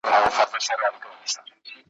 دا کافر علم نه غواړم